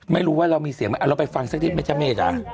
ไม่รู้ว่าเรามีเสียงเอาเราไปฟังซักทีแม่ชะเมฆ